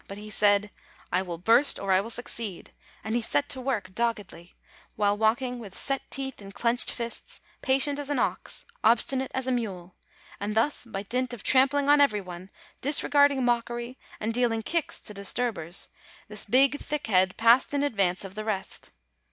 But he said, "I will burst or I will succeed," and he set to work doggedly, to study ing day and night, at home, at school, while walking, with set teeth and clenched fists, patient as an ox, ob stinate as a mule; and thus, by dint of trampling on every one, disregarding mockery, and dealing kicks to disturbers, this big thick head passed in advance of the rest.